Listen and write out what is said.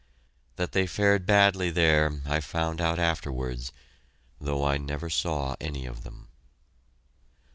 That they fared badly there, I found out afterwards, though I never saw any of them.